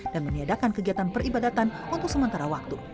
dan menyediakan kegiatan peribadatan untuk sementara waktu